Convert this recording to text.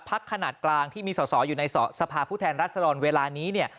พักขนาดกลางที่มีสอสออยู่ในสอสภาพุทธแทนรัฐสลรเวลานี้